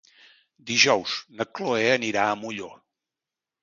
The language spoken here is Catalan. Dijous na Chloé anirà a Molló.